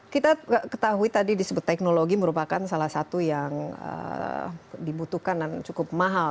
kita ketahui tadi disebut teknologi merupakan salah satu yang dibutuhkan dan cukup mahal